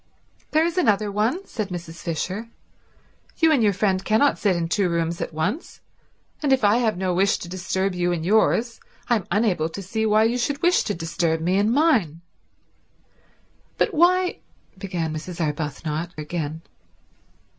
"There is another one," said Mrs. Fisher. "You and your friend cannot sit in two rooms at once, and if I have no wish to disturb you in yours I am unable to see why you should wish to disturb me in mine." "But why—" began Mrs. Arbuthnot again.